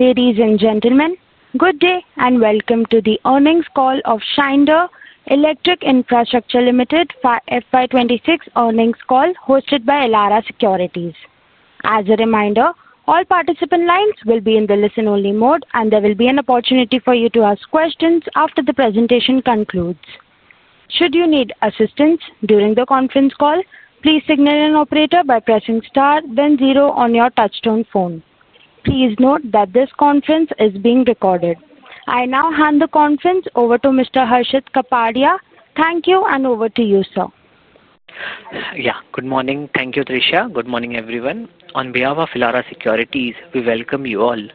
Ladies and gentlemen, good day and welcome to the earnings call of Schneider Electric Infrastructure Limited for FY26 earnings call, hosted by Elara Securities. As a reminder, all participant lines will be in the listen-only mode, and there will be an opportunity for you to ask questions after the presentation concludes. Should you need assistance during the conference call, please signal an operator by pressing star, then zero on your touchstone phone. Please note that this conference is being recorded. I now hand the conference over to Mr. Harshit Kapadia. Thank you, and over to you, sir. Yeah, good morning. Thank you, Trisha. Good morning, everyone. On behalf of Elara Securities, we welcome you all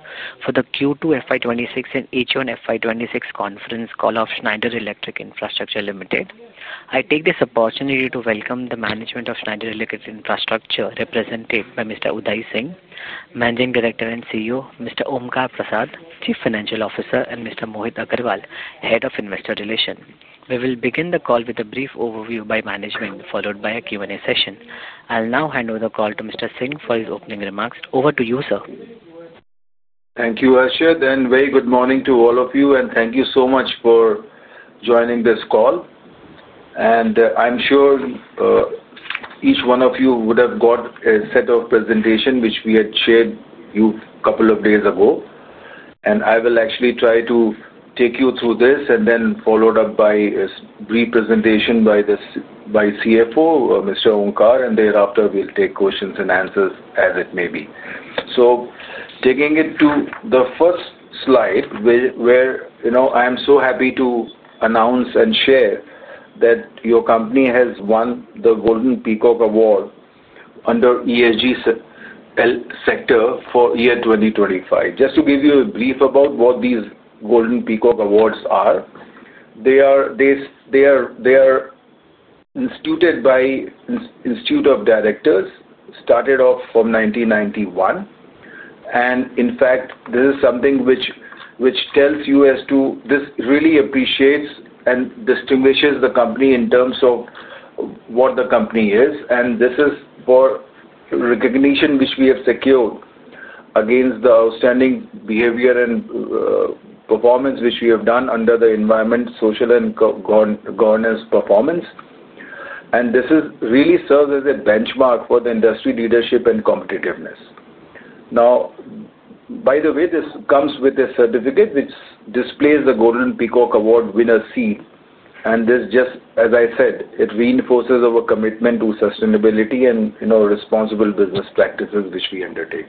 for the Q2 FY26 and H1 FY26 conference call of Schneider Electric Infrastructure Limited. I take this opportunity to welcome the management of Schneider Electric Infrastructure, represented by Mr. Udai Singh, Managing Director and CEO, Mr. Omkar Prasad, Chief Financial Officer, and Mr. Mohit Agarwal, Head of Investor Relations. We will begin the call with a brief overview by management, followed by a Q&A session. I'll now hand over the call to Mr. Singh for his opening remarks. Over to you, sir. Thank you, Asher. Very good morning to all of you, and thank you so much for joining this call. I'm sure each one of you would have got a set of presentations which we had shared with you a couple of days ago. I will actually try to take you through this and then follow up with a brief presentation by the CFO, Mr. Omkar, and thereafter we will take questions and answers as it may be. Taking it to the first slide, I am so happy to announce and share that your company has won the Golden Peacock Award under ESG sector for year 2025. Just to give you a brief about what these Golden Peacock Awards are, they are instituted by the Institute of Directors, started off from 1991. In fact, this is something which tells you as to this really appreciates and distinguishes the company in terms of what the company is. This is for recognition which we have secured against the outstanding behavior and performance which we have done under the Environment, Social, and Governance performance. This really serves as a benchmark for the industry leadership and competitiveness. By the way, this comes with a certificate which displays the Golden Peacock Award winner's seal. This just, as I said, it reinforces our commitment to sustainability and responsible business practices which we undertake.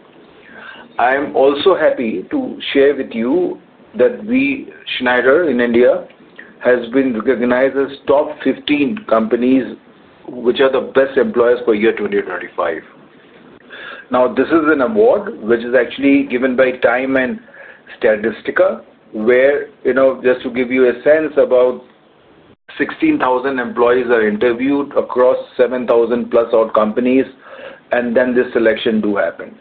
I am also happy to share with you that Schneider in India has been recognized as top 15 companies which are the best employers for year 2025. Now, this is an award which is actually given by TIME and Statista, where just to give you a sense about 16,000 employees are interviewed across 7,000+ companies, and then this selection do happen.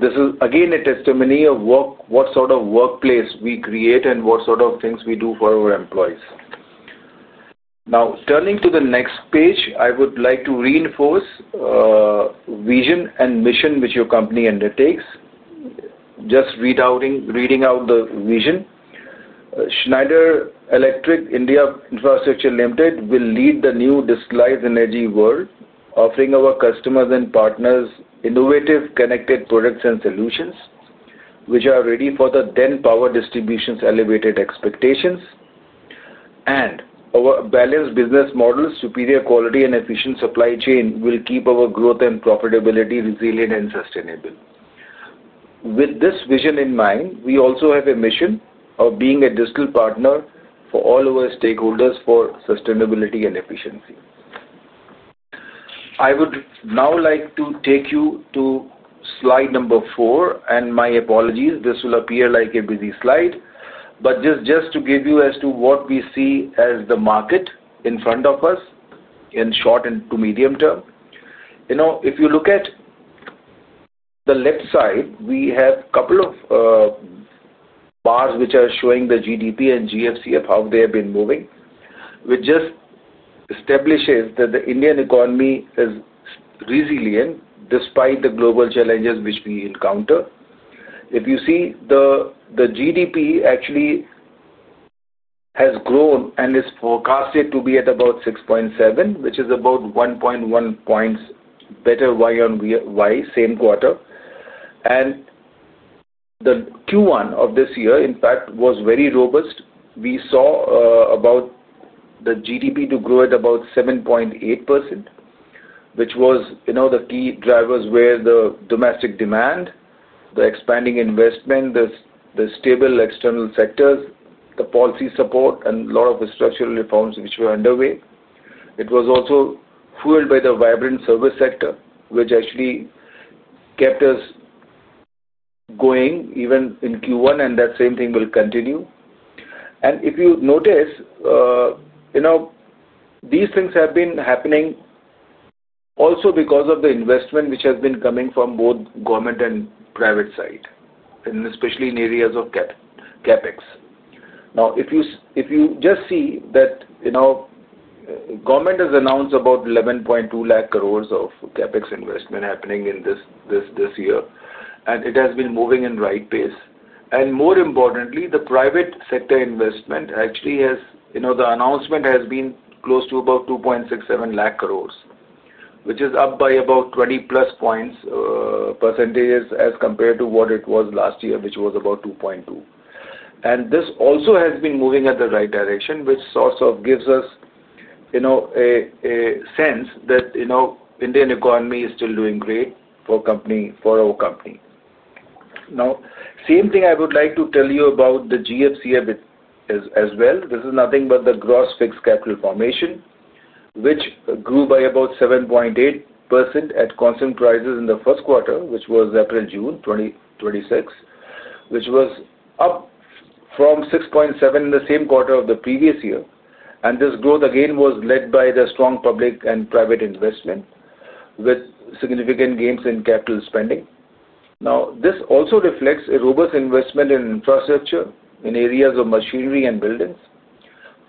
This is, again, a testimony of what sort of workplace we create and what sort of things we do for our employees. Now, turning to the next page, I would like to reinforce the vision and mission which your company undertakes. Just reading out the vision, Schneider Electric (India) Infrastructure Limited will lead the new disguised energy world, offering our customers and partners innovative connected products and solutions which are ready for the then power distribution's elevated expectations. Our balanced business model, superior quality and efficient supply chain will keep our growth and profitability resilient and sustainable. With this vision in mind, we also have a mission of being a distinct partner for all our stakeholders for sustainability and efficiency. I would now like to take you to slide number four, and my apologies, this will appear like a busy slide, but just to give you as to what we see as the market in front of us in short and to medium term. If you look at the left side, we have a couple of bars which are showing the GDP and GFCF, how they have been moving, which just establishes that the Indian economy is resilient despite the global challenges which we encounter. If you see, the GDP actually has grown and is forecasted to be at about 6.7, which is about 1.1 points better YoY, same quarter. And the Q1 of this year, in fact, was very robust. We saw about the GDP to grow at about 7.8%, which was the key drivers where the domestic demand, the expanding investment, the stable external sectors, the policy support, and a lot of structural reforms which were underway. It was also fueled by the vibrant service sector, which actually kept us going even in Q1, and that same thing will continue. If you notice, these things have been happening also because of the investment which has been coming from both government and private side, and especially in areas of CapEx. Now, if you just see that government has announced about 112,000 crore of CapEx investment happening in this year, and it has been moving in right pace. More importantly, the private sector investment actually has the announcement has been close to about 26,700 crore, which is up by about 20+ percentage points as compared to what it was last year, which was about 22,000 crore. This also has been moving in the right direction, which sort of gives us a sense that the Indian economy is still doing great for our company. Now, same thing I would like to tell you about the GFCF as well. This is nothing but the gross fixed capital formation, which grew by about 7.8% at constant prices in the first quarter, which was April to June 2026, which was up from 6.7% in the same quarter of the previous year. This growth again was led by the strong public and private investment with significant gains in capital spending. Now, this also reflects a robust investment in infrastructure in areas of machinery and buildings.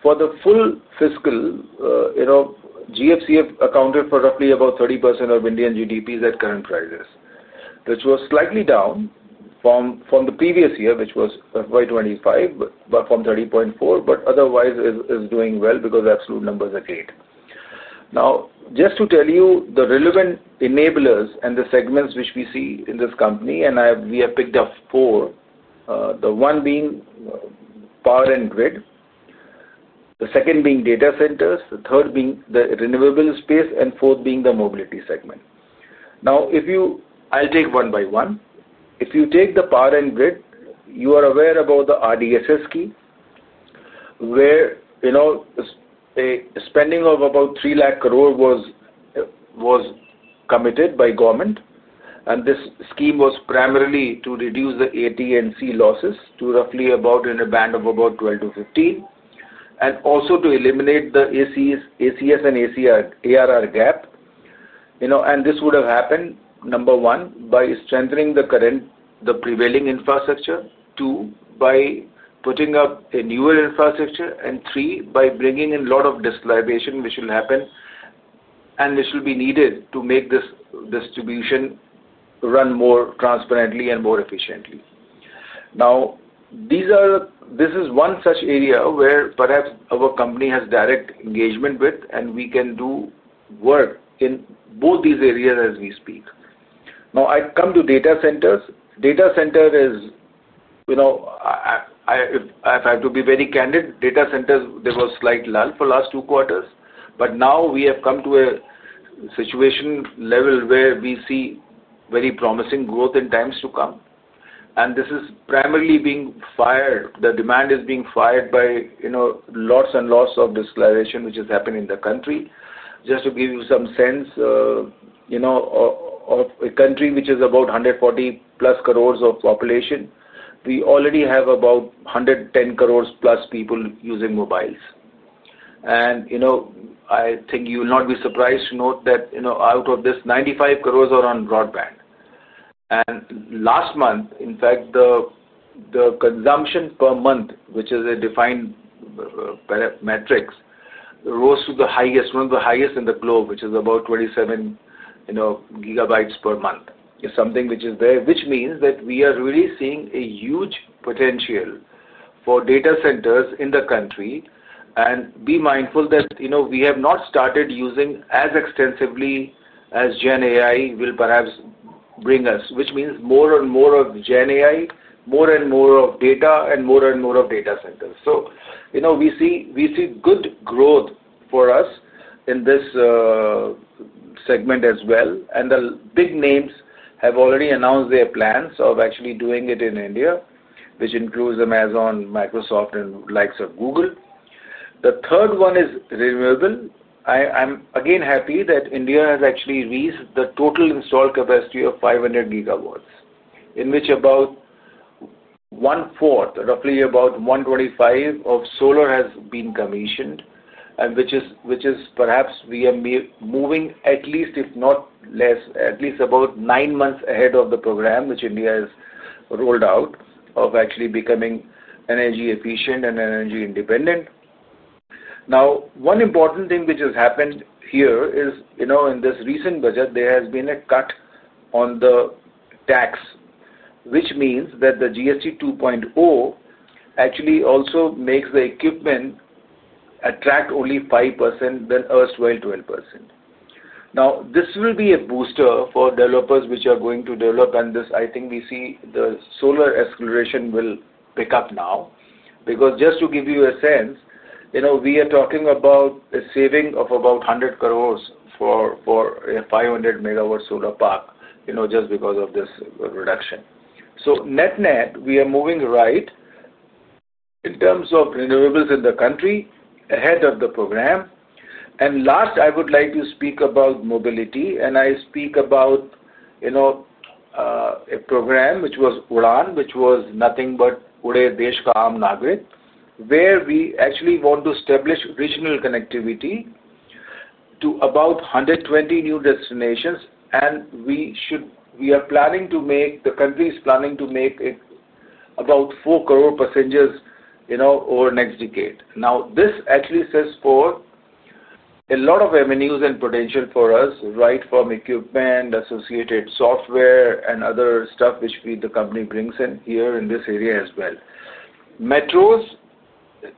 For the full fiscal, GFCF accounted for roughly about 30% of Indian GDPs at current prices, which was slightly down from the previous year, which was 2025, but from 30.4%, but otherwise is doing well because absolute numbers are great. Now, just to tell you the relevant enablers and the segments which we see in this company, and we have picked up four, the one being power and grid, the second being data centers, the third being the renewable space, and fourth being the mobility segment. Now, I'll take one by one. If you take the power and grid, you are aware about the RDSS scheme, where a spending of about 30,000 crore was committed by government. This scheme was primarily to reduce the AT&C losses to roughly about in a band of about 12%-15%, and also to eliminate the ACS-ARR gap. This would have happened, number one, by strengthening the prevailing infrastructure, two, by putting up a newer infrastructure, and three, by bringing in a lot of discom collaboration which will happen and which will be needed to make this distribution run more transparently and more efficiently. Now, this is one such area where perhaps our company has direct engagement with, and we can do work in both these areas as we speak. Now, I come to data centers. Data center is, if I have to be very candid, data centers, there was slight lull for the last two quarters. Now we have come to a situation level where we see very promising growth in times to come. This is primarily being fired. The demand is being fired by lots and lots of dis collaboration which is happening in the country. Just to give you some sense of a country which is about 140+ crores of population, we already have about 110 crores+ people using mobiles. I think you will not be surprised to note that out of this, 95 crores are on broadband. Last month, in fact, the consumption per month, which is a defined metric, rose to the highest, one of the highest in the globe, which is about 27 GB per month. It is something which is there, which means that we are really seeing a huge potential for data centers in the country. Be mindful that we have not started using as extensively as GenAI will perhaps bring us, which means more and more of GenAI, more and more of data, and more and more of data centers. We see good growth for us in this segment as well. The big names have already announced their plans of actually doing it in India, which includes Amazon, Microsoft, and likes of Google. The third one is renewable. I am again happy that India has actually reached the total installed capacity of 500 GW, in which about one-fourth, roughly about 125 of solar has been commissioned, which is perhaps we are moving at least, if not less, at least about nine months ahead of the program which India has rolled out of actually becoming energy efficient and energy independent. Now, one important thing which has happened here is in this recent budget, there has been a cut on the tax, which means that the GST 2.0 actually also makes the equipment attract only 5% than earlier 12%. This will be a booster for developers which are going to develop, and this, I think we see the solar escalation will pick up now. Because just to give you a sense, we are talking about a saving of about 100 crore for a 500 MW solar park just because of this reduction. Net net, we are moving right in terms of renewables in the country ahead of the program. Last, I would like to speak about mobility, and I speak about a program which was UDAN, which was nothing but Ude Desh ka Aam Naagrik, where we actually want to establish regional connectivity to about 120 new destinations. We are planning to make the country is planning to make about 4 crore passengers over the next decade. Now, this actually says for a lot of avenues and potential for us, right from equipment, associated software, and other stuff which the company brings in here in this area as well. Metros,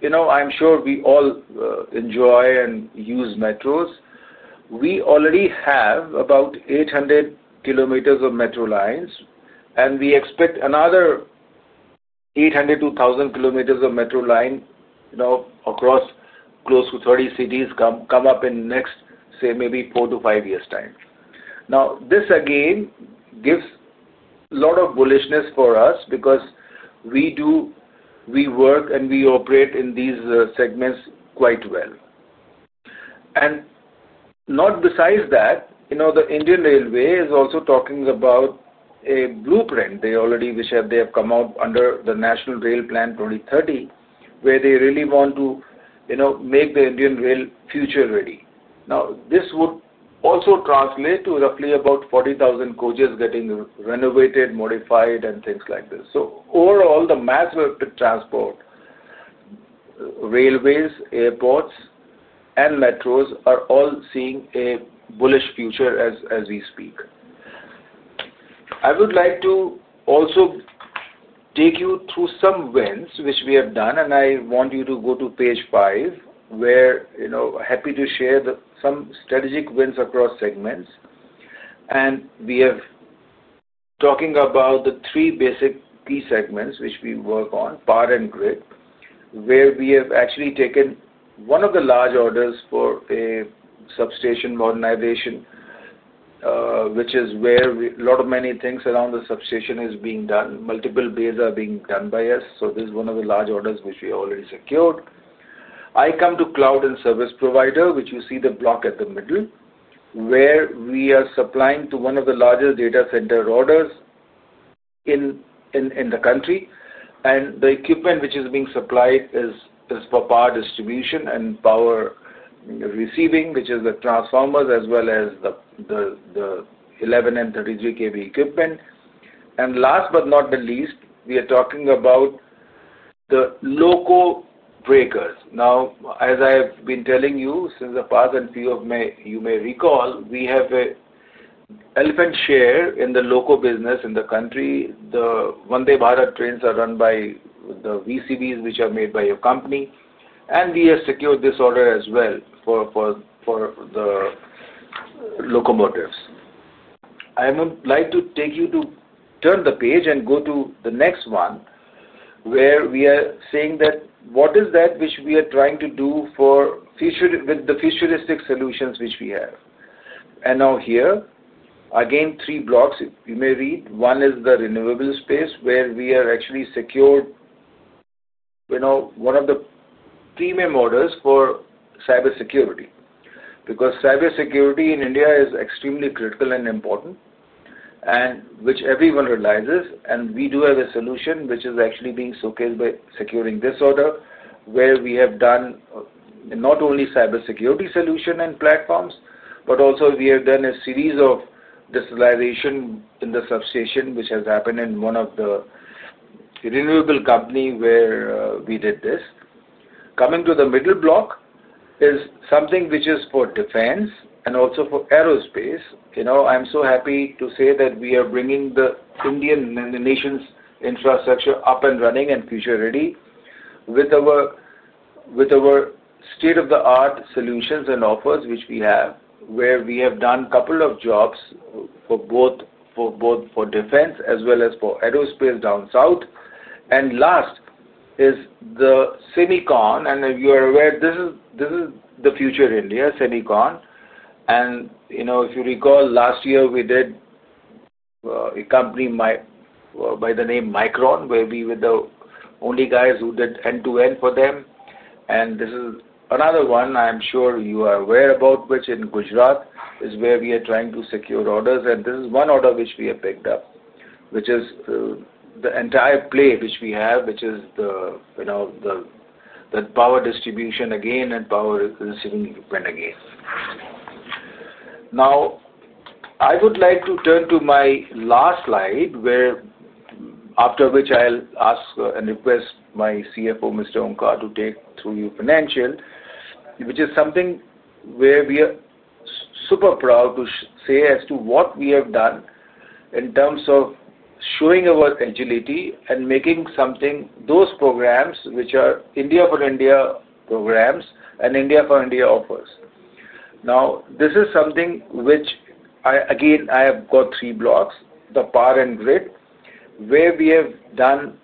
I am sure we all enjoy and use metros. We already have about 800 km of metro lines, and we expect another 800 km-1,000 km of metro line across close to 30 cities come up in the next, say, maybe four to five years' time. Now, this again gives a lot of bullishness for us because we work and we operate in these segments quite well. Not besides that, the Indian Railway is also talking about a blueprint they already have come out with under the National Rail Plan 2030, where they really want to make the Indian rail future ready. This would also translate to roughly about 40,000 coaches getting renovated, modified, and things like this. Overall, the massive transport, railways, airports, and metros are all seeing a bullish future as we speak. I would like to also take you through some wins which we have done, and I want you to go to page five, where I'm happy to share some strategic wins across segments. We are talking about the three basic key segments which we work on, power and grid, where we have actually taken one of the large orders for a substation modernization, which is where a lot of many things around the substation is being done. Multiple bids are being done by us. This is one of the large orders which we already secured. I come to cloud and service provider, which you see the block at the middle, where we are supplying to one of the largest data center orders in the country. The equipment which is being supplied is for power distribution and power receiving, which is the transformers as well as the 11kV and 33 kV equipment. Last but not the least, we are talking about the local breakers. Now, as I have been telling you since the past, and you may recall, we have an elephant share in the local business in the country. The Vande Bharat trains are run by the VCBs which are made by your company. We have secured this order as well for the locomotives. I would like to take you to turn the page and go to the next one, where we are saying that what is that which we are trying to do with the futuristic solutions which we have. Now here, again, three blocks, if you may read. One is the renewable space, where we have actually secured one of the premium orders for cybersecurity. Because cybersecurity in India is extremely critical and important, which everyone realizes. We do have a solution which is actually being showcased by securing this order, where we have done not only cybersecurity solution and platforms, but also we have done a series of discollaboration in the substation, which has happened in one of the renewable companies where we did this. Coming to the middle block is something which is for defense and also for aerospace. I'm so happy to say that we are bringing the Indian nation's infrastructure up and running and future-ready with our state-of-the-art solutions and offers which we have, where we have done a couple of jobs for both for defense as well as for aerospace down south. Last is the Semicon. As you are aware, this is the future India, Semicon. If you recall, last year, we did a company by the name Micron, where we were the only guys who did end-to-end for them. This is another one I am sure you are aware about, which in Gujarat is where we are trying to secure orders. This is one order which we have picked up, which is the entire play which we have, which is the power distribution again and power receiving equipment again. Now, I would like to turn to my last slide, after which I will ask and request my CFO, Mr. Omkar, to take through your financial, which is something where we are super proud to say as to what we have done in terms of showing our agility and making something those programs which are India for India programs and India for India offers. Now, this is something which, again, I have got three blocks, the power and grid, where we have done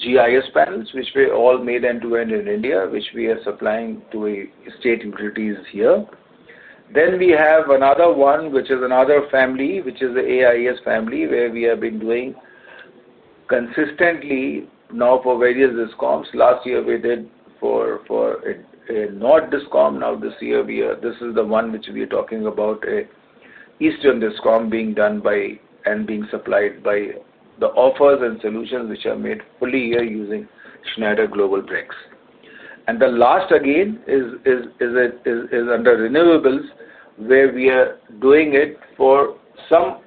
GIS Panels, which we all made end-to-end in India, which we are supplying to state utilities here. Then we have another one, which is another family, which is the AIS family, where we have been doing consistently now for various discoms. Last year, we did for a North discom. Now, this year, this is the one which we are talking about, an Eastern discom being done and being supplied by the offers and solutions which are made fully here using Schneider Global Bricks. The last, again, is under renewables, where we are doing it for some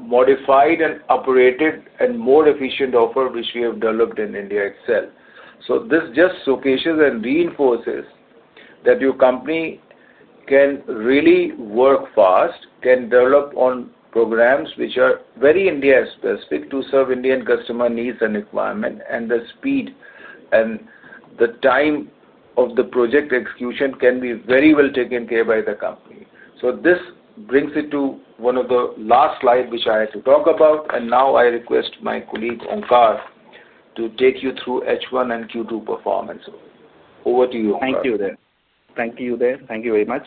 modified and operated and more efficient offer which we have developed in India itself. This just showcases and reinforces that your company can really work fast, can develop on programs which are very India-specific to serve Indian customer needs and requirements, and the speed and the time of the project execution can be very well taken care of by the company. This brings it to one of the last slides which I had to talk about. Now I request my colleague Omkar to take you through H1 and Q2 performance. Over to you, Omkar. Thank you, Udai. Thank you very much.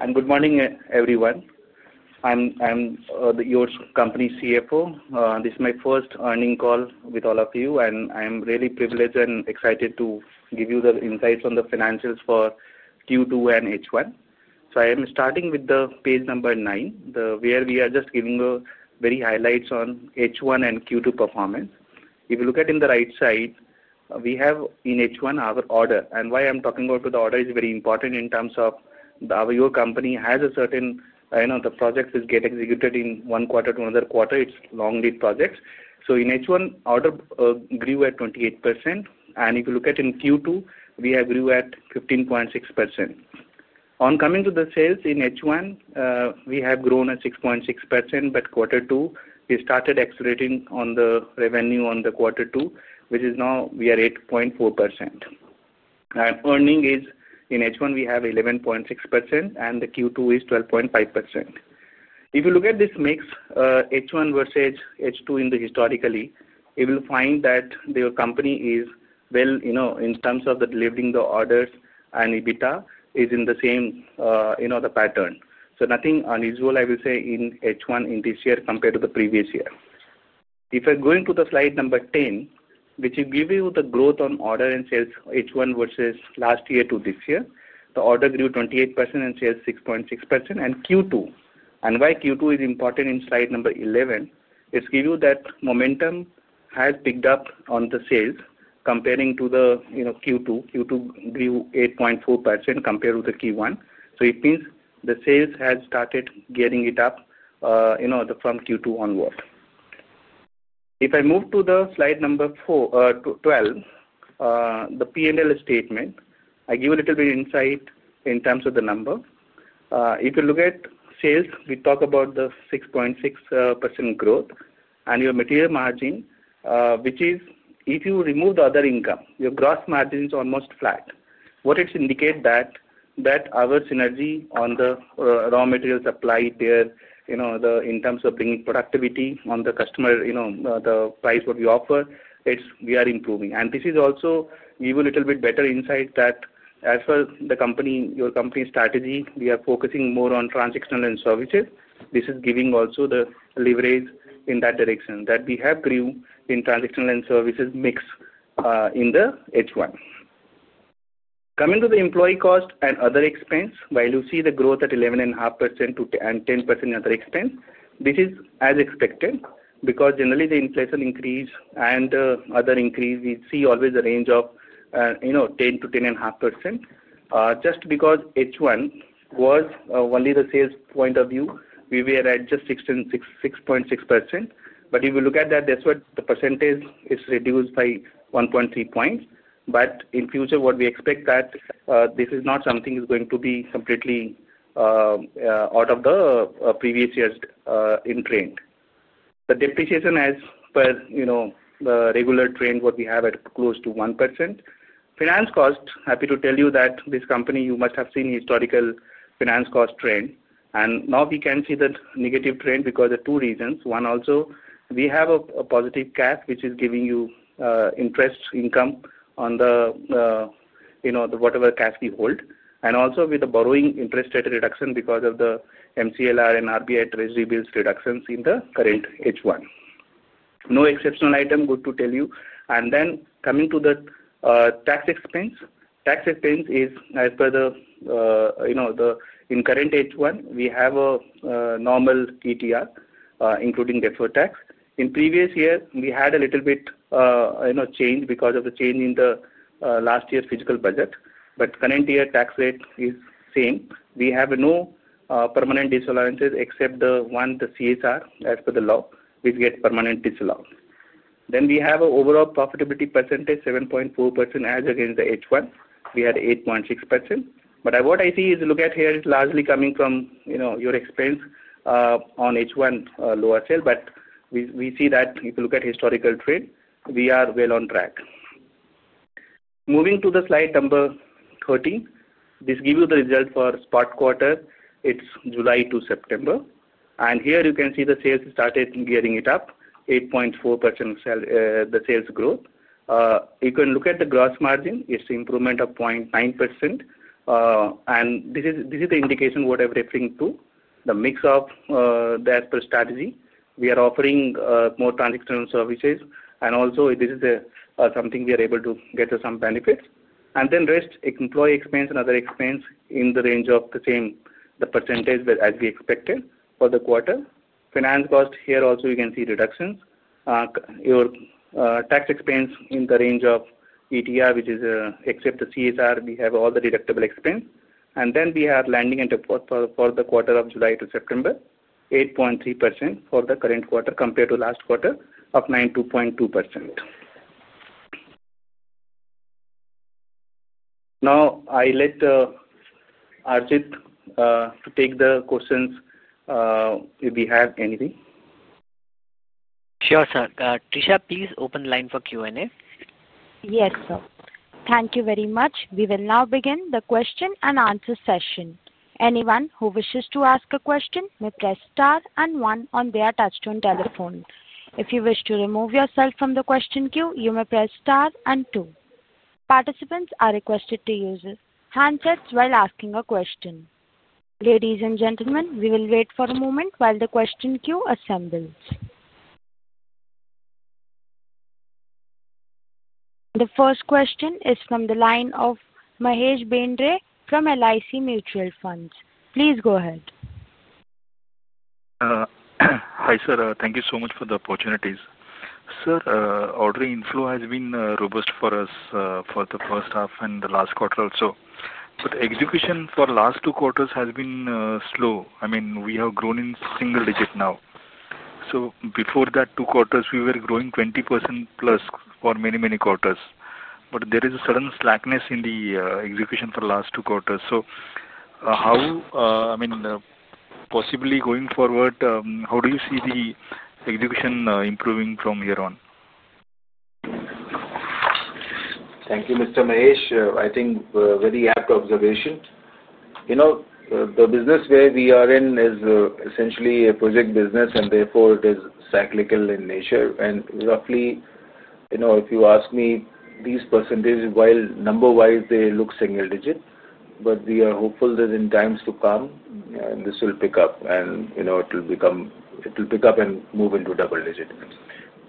And good morning, everyone. I'm your company CFO. This is my first earning call with all of you, and I'm really privileged and excited to give you the insights on the financials for Q2 and H1. I am starting with page number 9, where we are just giving very highlights on H1 and Q2 performance. If you look at it in the right side, we have in H1 our order. Why I'm talking about the order is very important in terms of your company has certain projects which get executed in one quarter to another quarter. It's long lead projects. In H1, order grew at 28%. If you look at in Q2, we have grew at 15.6%. On coming to the sales in H1, we have grown at 6.6%, but quarter two, we started accelerating on the revenue on the quarter two, which is now we are 8.4%. Earning is in H1, we have 11.6%, and the Q2 is 12.5%. If you look at this mix, H1 versus H2 in the historically, you will find that the company is, well, in terms of delivering the orders and EBITDA, is in the same pattern. Nothing unusual, I will say, in H1 in this year compared to the previous year. If I go into the slide number 10, which will give you the growth on order and sales H1 versus last year to this year, the order grew 28% and sales 6.6%, and Q2. Why Q2 is important in slide number 11 is to give you that momentum has picked up on the sales comparing to the Q2. Q2 grew 8.4% compared with the Q1. It means the sales have started getting it up from Q2 onward. If I move to the slide number 12, the P&L statement, I give you a little bit of insight in terms of the number. If you look at sales, we talk about the 6.6% growth and your material margin, which is if you remove the other income, your gross margin is almost flat. What it indicates is that our synergy on the raw materials supply there, in terms of bringing productivity on the customer, the price what we offer, we are improving. This also gives you a little bit better insight that as far as your company strategy, we are focusing more on transactional and services. This is giving also the leverage in that direction that we have grew in transactional and services mix in the H1. Coming to the employee cost and other expense, while you see the growth at 11.5% and 10% in other expense, this is as expected because generally the inflation increase and other increase, we see always the range of 10%-10.5%. Just because H1 was only the sales point of view, we were at just 6.6%. If you look at that, that's what the percentage is reduced by 1.3 percentage points. In future, what we expect is that this is not something that is going to be completely out of the previous years in trend. The depreciation as per the regular trend, what we have at close to 1%. Finance cost, happy to tell you that this company, you must have seen historical finance cost trend. Now we can see the negative trend because of two reasons. One also, we have a positive cash, which is giving you interest income on the whatever cash we hold. Also with the borrowing interest rate reduction because of the MCLR and RBI treasury bills reductions in the current H1. No exceptional item, good to tell you. Then coming to the tax expense, tax expense is as per the in current H1, we have a normal ETR, including depot tax. In previous year, we had a little bit change because of the change in the last year's fiscal budget. Current year, tax rate is same. We have no permanent disallowances except the one, the CSR, as per the law, which gets permanently disallowed. We have an overall profitability percentage, 7.4% as against the H1. We had 8.6%. What I see here is largely coming from your expense on H1 lower sale. We see that if you look at historical trade, we are well on track. Moving to the slide number 13, this gives you the result for spot quarter. It is July to September. Here you can see the sales started gearing up, 8.4% of the sales growth. You can look at the gross margin. It is an improvement of 0.9%. This is the indication, whatever referring to the mix of that strategy. We are offering more transactional services. Also, this is something we are able to get some benefits. The rest, employee expense and other expense in the range of the same percentage as we expected for the quarter. Finance cost here also, you can see reductions. Your tax expense in the range of ETR, which is except the CSR, we have all the deductible expense. We have landing and depot for the quarter of July to September, 8.3% for the current quarter compared to last quarter of 92.2%. Now, I let Harshit take the questions if we have anything. Sure, sir. Trisha, please open the line for Q&A. Yes, sir. Thank you very much. We will now begin the question and answer session. Anyone who wishes to ask a question may press star and one on their touchstone telephone. If you wish to remove yourself from the question queue, you may press star and two. Participants are requested to use handsets while asking a question. Ladies and gentlemen, we will wait for a moment while the question queue assembles. The first question is from the line of Mahesh Bendre from LIC Mutual Funds. Please go ahead. Hi, sir. Thank you so much for the opportunities. Sir, ordering inflow has been robust for us for the first half and the last quarter also. Execution for last two quarters has been slow. I mean, we have grown in single digit now. Before that two quarters, we were growing 20%+ for many, many quarters. There is a sudden slackness in the execution for last two quarters. How, I mean, possibly going forward, how do you see the execution improving from here on? Thank you, Mr. Mahesh. I think very apt observation. The business where we are in is essentially a project business, and therefore it is cyclical in nature. And roughly, if you ask me, these percentages, number-wise, they look single digit. But we are hopeful that in times to come, this will pick up, and it will pick up and move into double digit.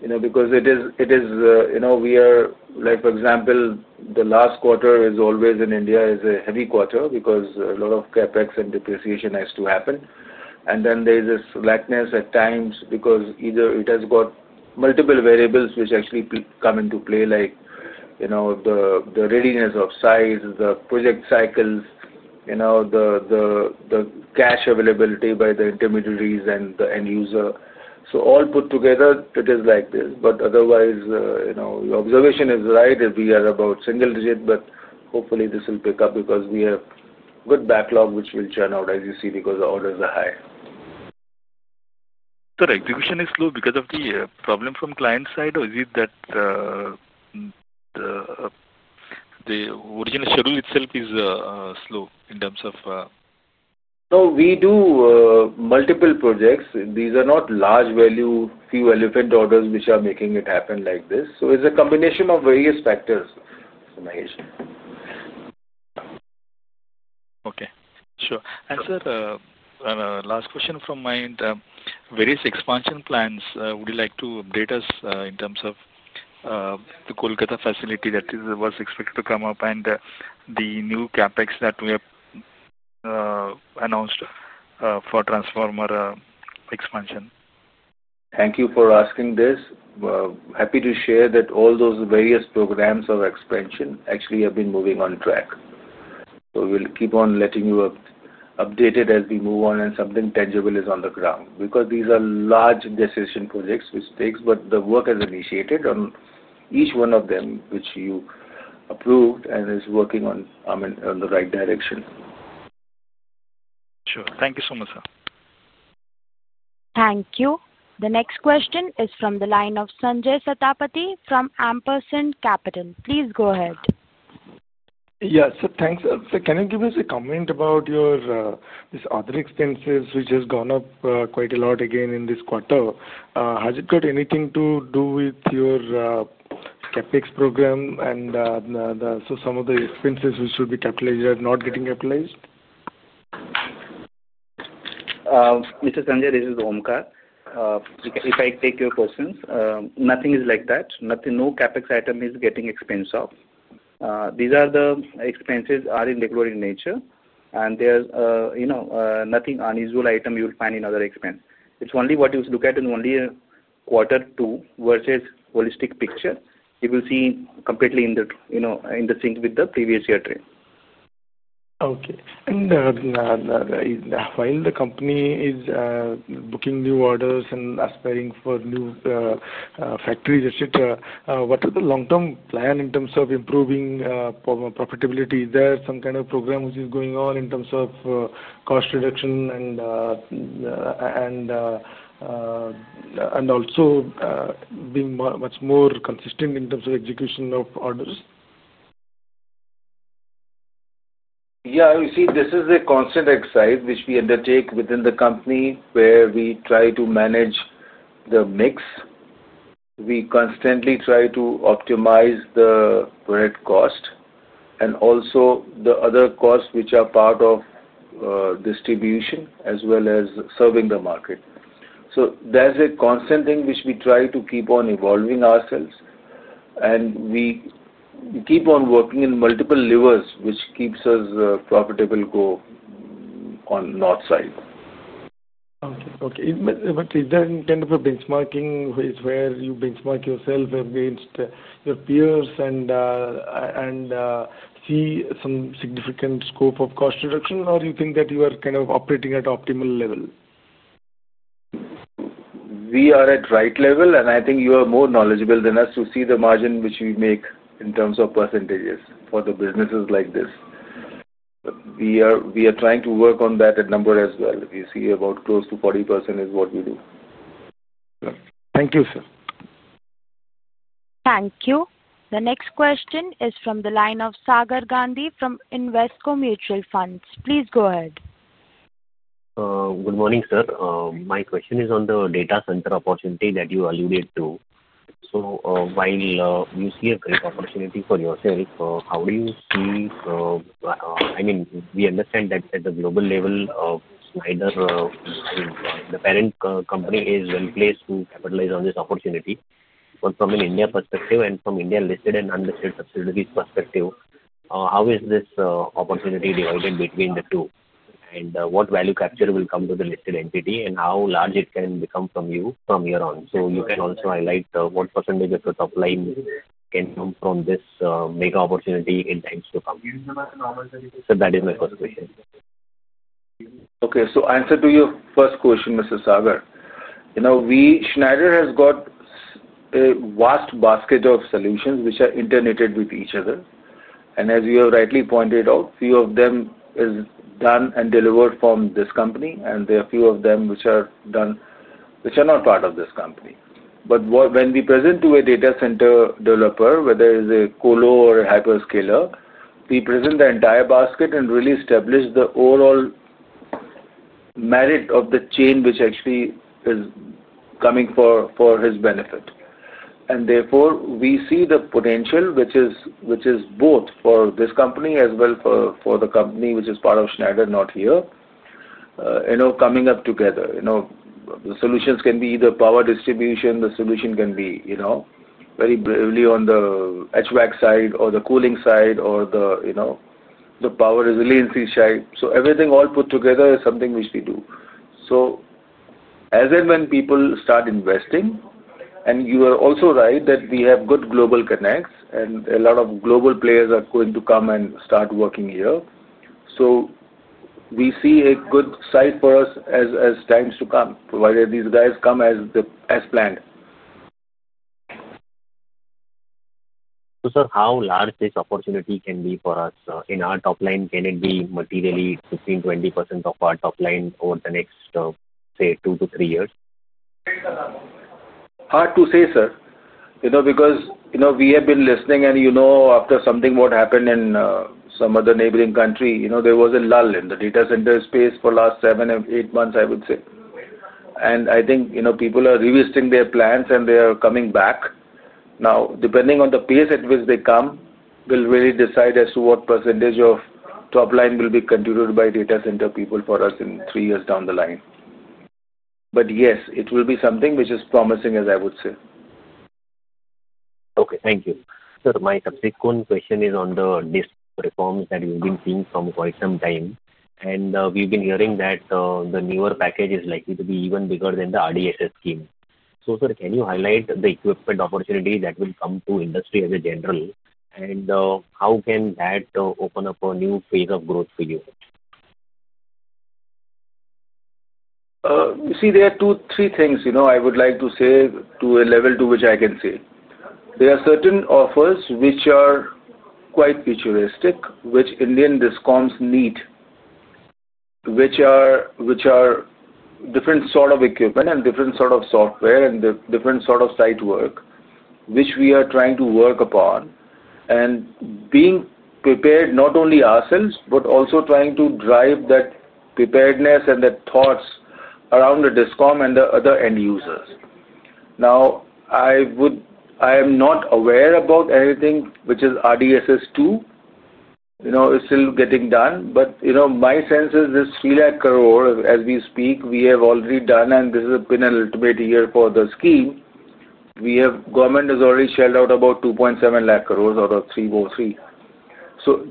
Because it is, we are, for example, the last quarter is always in India is a heavy quarter because a lot of CapEx and depreciation has to happen. And then there is this slackness at times because either it has got multiple variables which actually come into play, like the readiness of size, the project cycles, the cash availability by the intermediaries and the end user. So all put together, it is like this. But otherwise, your observation is right. We are about single digit, but hopefully this will pick up because we have good backlog, which will churn out, as you see, because orders are high. Sir, execution is slow because of the problem from client side, or is it that the original schedule itself is slow in terms of? No, we do multiple projects. These are not large value, few elephant orders which are making it happen like this. It is a combination of various factors, Mahesh. Okay. Sure. Sir, last question from my end. Various expansion plans, would you like to update us in terms of the Kolkata facility that was expected to come up and the new CapEx that we have announced for transformer expansion? Thank you for asking this. Happy to share that all those various programs of expansion actually have been moving on track. We will keep on letting you updated as we move on and something tangible is on the ground. Because these are large decision projects, which takes, but the work has initiated on each one of them, which you approved and is working on the right direction. Sure. Thank you so much, sir. Thank you. The next question is from the line of Sanjay Satapathy from Ampersand Capital. Please go ahead. Yes, sir. Thanks. Sir, can you give us a comment about this other expenses, which has gone up quite a lot again in this quarter? Has it got anything to do with your CapEx program and some of the expenses which should be capitalized are not getting capitalized? Mr. Sanjay, this is Omkar. If I take your questions, nothing is like that. No CapEx item is getting expensed off. These are the expenses in regular nature, and there's nothing unusual item you'll find in other expense. It's only what you look at in only quarter two versus holistic picture. You will see completely in the sync with the previous year trade. Okay. While the company is booking new orders and aspiring for new factories, etc., what is the long-term plan in terms of improving profitability? Is there some kind of program which is going on in terms of cost reduction and also being much more consistent in terms of execution of orders? Yeah. You see, this is a constant exercise which we undertake within the company where we try to manage the mix. We constantly try to optimize the correct cost and also the other costs which are part of distribution as well as serving the market. There is a constant thing which we try to keep on evolving ourselves. We keep on working in multiple levers which keeps us profitable go on north side. Okay. Is there any kind of a benchmarking where you benchmark yourself against your peers and see some significant scope of cost reduction, or do you think that you are kind of operating at optimal level? We are at the right level, and I think you are more knowledgeable than us to see the margin which we make in terms of percentages for the businesses like this. We are trying to work on that number as well. You see about close to 40% is what we do. Thank you, sir. Thank you. The next question is from the line of Sagar Gandhi from Invesco Mutual Funds. Please go ahead. Good morning, sir. My question is on the data center opportunity that you alluded to. While you see a great opportunity for yourself, how do you see? I mean, we understand that at the global level, either the parent company is well placed to capitalize on this opportunity. From an India perspective and from India-listed and unlisted subsidiaries perspective, how is this opportunity divided between the two? What value capture will come to the listed entity and how large it can become from here on? You can also highlight what percentage of the top line can come from this mega opportunity in times to come. That is my first question. Okay. So answer to your first question, Mr. Sagar. Schneider has got a vast basket of solutions which are interconnected with each other. As you have rightly pointed out, few of them are done and delivered from this company, and there are a few of them which are done which are not part of this company. When we present to a data center developer, whether it's a colo or a hyperscaler, we present the entire basket and really establish the overall merit of the chain which actually is coming for his benefit. Therefore, we see the potential, which is both for this company as well as for the company which is part of Schneider, not here, coming up together. The solutions can be either power distribution. The solution can be very broadly on the HVAC side or the cooling side or the power resiliency side. Everything all put together is something which we do. As and when people start investing, and you are also right that we have good global connects and a lot of global players are going to come and start working here. We see a good site for us as times to come, provided these guys come as planned. Sir, how large can this opportunity be for us in our top line? Can it be materially 15%-20% of our top line over the next, say, two to three years? Hard to say, sir. Because we have been listening, and after something what happened in some other neighboring country, there was a lull in the data center space for the last seven or eight months, I would say. I think people are revisiting their plans, and they are coming back. Now, depending on the pace at which they come, we'll really decide as to what percentage of top line will be contributed by data center people for us in three years down the line. Yes, it will be something which is promising, as I would say. Okay. Thank you. Sir, my subsequent question is on the NIST reforms that we've been seeing from quite some time. We've been hearing that the newer package is likely to be even bigger than the RDSS scheme. Sir, can you highlight the equipment opportunity that will come to industry as a general? How can that open up a new phase of growth for you? You see, there are two, three things I would like to say to a level to which I can see. There are certain offers which are quite futuristic, which Indian discoms need, which are different sort of equipment and different sort of software and different sort of site work, which we are trying to work upon and being prepared not only ourselves, but also trying to drive that preparedness and that thoughts around the discom and the other end users. Now, I am not aware about anything which is RDSS 2. It's still getting done. My sense is this 3 lakh crore as we speak, we have already done, and this has been an ultimate year for the scheme. The government has already shelled out about 27,000 crore out of 303.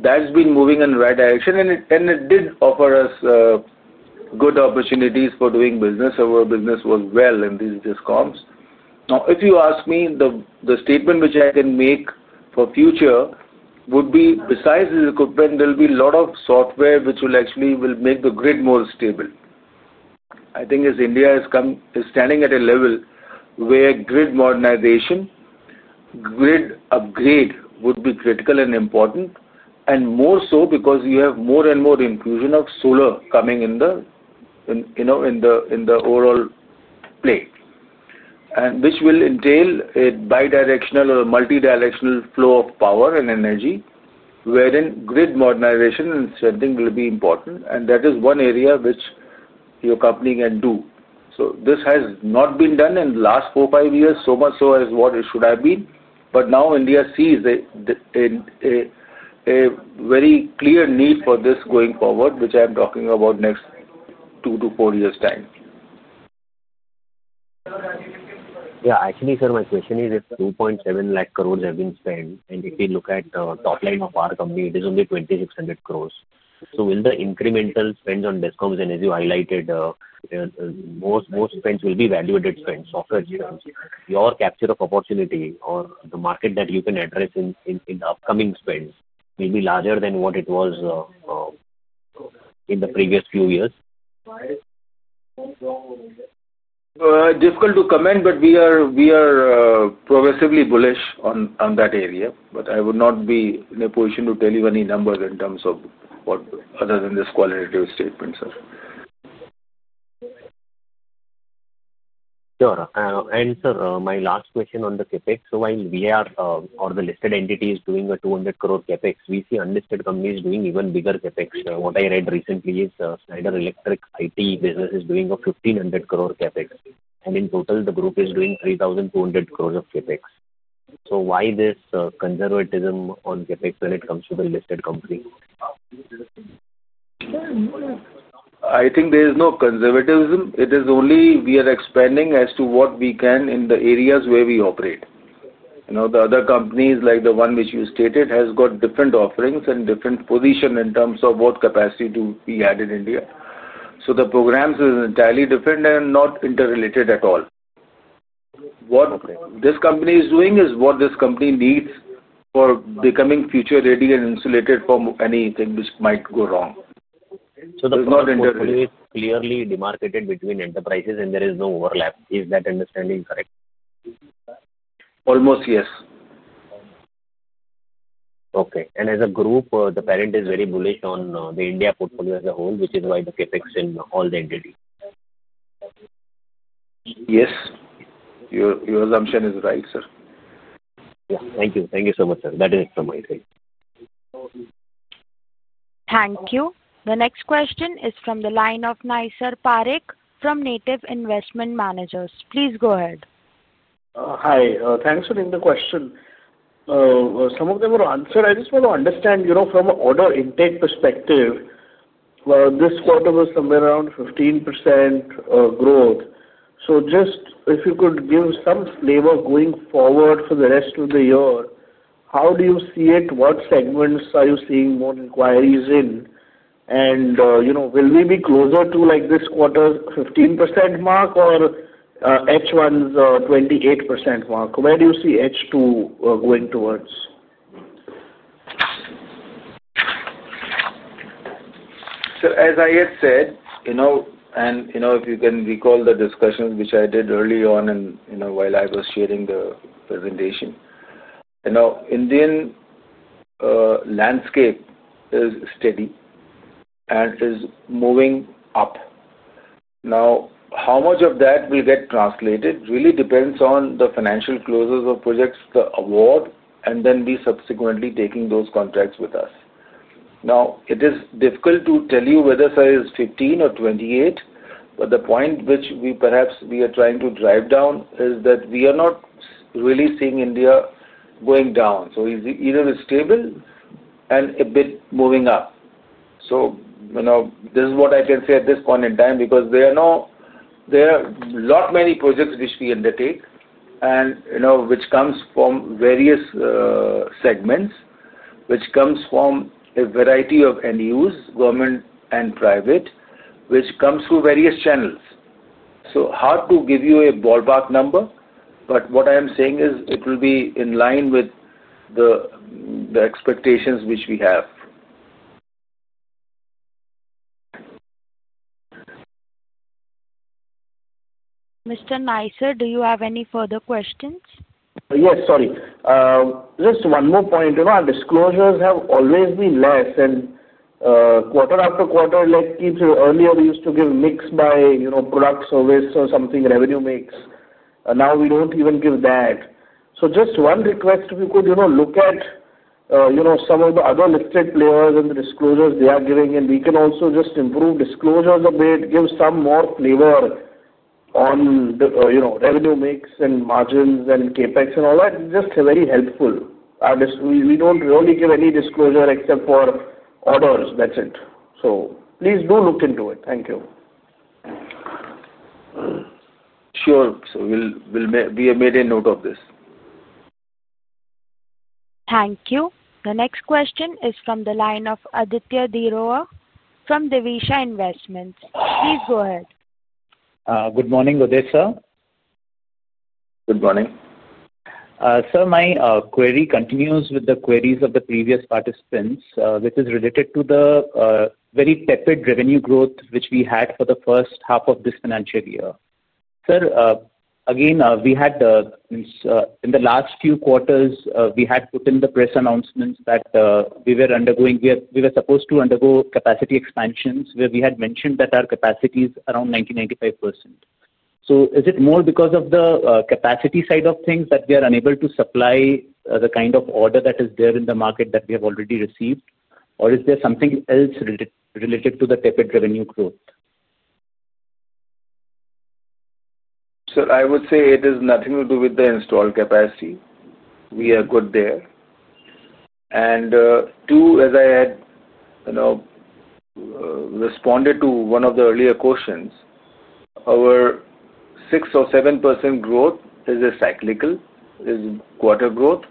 That's been moving in the right direction, and it did offer us good opportunities for doing business. Our business was well in these discoms. Now, if you ask me, the statement which I can make for future would be, besides the equipment, there will be a lot of software which will actually make the grid more stable. I think as India is standing at a level where grid modernization, grid upgrade would be critical and important, and more so because you have more and more infusion of solar coming in the overall play, which will entail a bidirectional or multidirectional flow of power and energy, wherein grid modernization and strengthening will be important. That is one area which your company can do. This has not been done in the last four or five years, so much so as what it should have been. Now India sees a very clear need for this going forward, which I am talking about next two to four years' time. Yeah. Actually, sir, my question is, if 27,000 crore have been spent, and if you look at the top line of our company, it is only 2,600 crore. Will the incremental spends on discoms, and as you highlighted, most spends will be valuated spends, software spends, your capture of opportunity or the market that you can address in the upcoming spends may be larger than what it was in the previous few years? Difficult to comment, but we are progressively bullish on that area. I would not be in a position to tell you any numbers in terms of other than this qualitative statement, sir. Sure. Sir, my last question on the CapEx. While we are, or the listed entities, doing an 200 crore CapEx, we see unlisted companies doing even bigger CapEx. What I read recently is Schneider Electric's IT business is doing an 1,500 crore CapEx. In total, the group is doing 3,200 crore of CapEx. Why this conservatism on CapEx when it comes to the listed company? I think there is no conservatism. It is only we are expanding as to what we can in the areas where we operate. The other companies, like the one which you stated, has got different offerings and different position in terms of what capacity to be had in India. So the programs are entirely different and not interrelated at all. What this company is doing is what this company needs for becoming future-ready and insulated from anything which might go wrong. So the portfolio is clearly demarcated between enterprises, and there is no overlap. Is that understanding correct? Almost, yes. Okay. As a group, the parent is very bullish on the India portfolio as a whole, which is why the CapEx in all the entities. Yes. Your assumption is right, sir. Yeah. Thank you. Thank you so much, sir. That is it from my side. Thank you. The next question is from the line of Naysar Parikh from Native Investment Managers. Please go ahead. Hi. Thanks for the question. Some of them were answered. I just want to understand from an order intake perspective, this quarter was somewhere around 15% growth. If you could give some flavor going forward for the rest of the year, how do you see it? What segments are you seeing more inquiries in? Will we be closer to this quarter's 15% mark or H1's 28% mark? Where do you see H2 going towards? Sir, as I had said, and if you can recall the discussions which I did early on while I was sharing the presentation, Indian landscape is steady and is moving up. Now, how much of that will get translated really depends on the financial closures of projects, the award, and then we subsequently taking those contracts with us. Now, it is difficult to tell you whether size is 15 or 28, but the point which perhaps we are trying to drive down is that we are not really seeing India going down. Either it is stable and a bit moving up. This is what I can say at this point in time because there are not many projects which we undertake and which comes from various segments, which comes from a variety of NUs, government and private, which comes through various channels. Hard to give you a ballpark number, but what I am saying is it will be in line with the expectations which we have. Mr. Naysar, do you have any further questions? Yes. Sorry. Just one more point. Our disclosures have always been less, and quarter after quarter, like earlier, we used to give mix by product service or something revenue mix. Now we do not even give that. Just one request, if you could look at some of the other listed players and the disclosures they are giving, and we can also just improve disclosures a bit, give some more flavor on revenue mix and margins and CapEx and all that. Just very helpful. We do not really give any disclosure except for orders. That is it. Please do look into it. Thank you. Sure. We will make a note of this. Thank you. The next question is from the line of Aditya Deorah from Divisha Investments. Please go ahead. Good morning, Udai sir. Good morning. Sir, my query continues with the queries of the previous participants, which is related to the very tepid revenue growth which we had for the first half of this financial year. Sir, again, in the last few quarters, we had put in the press announcements that we were undergoing, we were supposed to undergo capacity expansions, where we had mentioned that our capacity is around 90%-95%. Is it more because of the capacity side of things that we are unable to supply the kind of order that is there in the market that we have already received, or is there something else related to the tepid revenue growth? Sir, I would say it has nothing to do with the installed capacity. We are good there. Two, as I had responded to one of the earlier questions, our 6% or 7% growth is cyclical, is quarter growth,